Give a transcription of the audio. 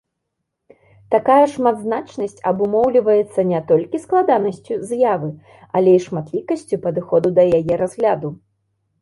Такая шматзначнасць абумоўліваецца не толькі складанасцю з'явы, але і шматлікасцю падыходаў да яе разгляду.